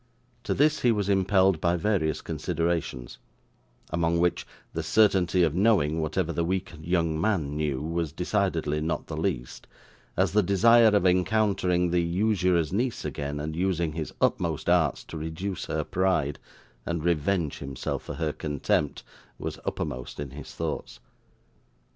To this he was impelled by various considerations; among which the certainty of knowing whatever the weak young man knew was decidedly not the least, as the desire of encountering the usurer's niece again, and using his utmost arts to reduce her pride, and revenge himself for her contempt, was uppermost in his thoughts.